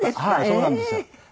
そうなんですよ。